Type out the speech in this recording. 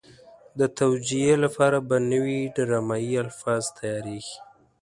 د توجیه لپاره به نوي ډرامایي الفاظ تیارېږي.